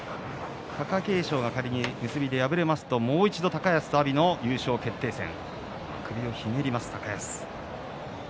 貴景勝が仮に結びで敗れますともう一度高安と阿炎の優勝決定戦。